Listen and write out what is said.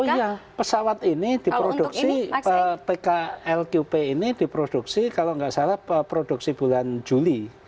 oh iya pesawat ini diproduksi pklqp ini diproduksi kalau nggak salah produksi bulan juli